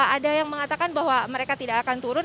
ada yang mengatakan bahwa mereka tidak akan turun